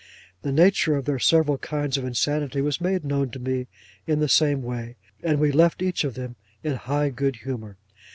The nature of their several kinds of insanity was made known to me in the same way, and we left each of them in high good humour.